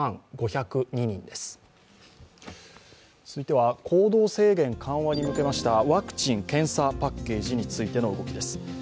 続いては行動制限緩和に向けましたワクチン・検査パッケージについての動きです。